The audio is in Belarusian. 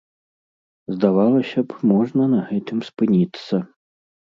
Здавалася б, можна на гэтым спыніцца.